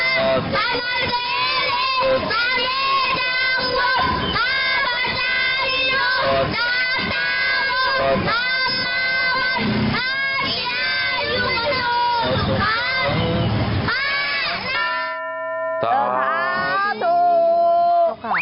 สมันตรีวันสวาสดีเว้นสวาเวลาวุธคาวัตตาวุธคาวัตตาวุธคาวัตตาวุธคาวินาโยวันนวนโอสุศาราทุกษ์มารัง